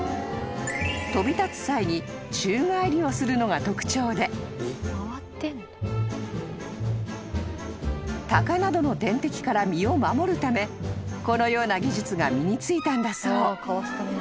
［飛び立つ際に宙返りをするのが特徴でタカなどの天敵から身を守るためこのような技術が身に付いたんだそう］